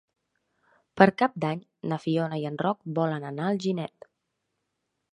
Per Cap d'Any na Fiona i en Roc volen anar a Alginet.